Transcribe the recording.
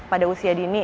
pada usia dini